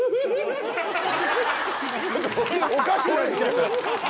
ちょっとおかしくなっちゃった。